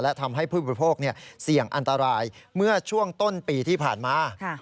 และทำให้ผู้บริโภคเสี่ยงอันตรายเมื่อช่วงต้นปีที่ผ่านมา